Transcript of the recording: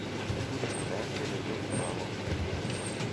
Tudi študent je legel v travo.